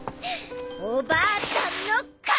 おばあちゃんの敵！